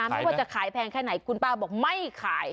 ไม่ว่าจะขายแพงแค่ไหนคุณป้าบอกไม่ขาย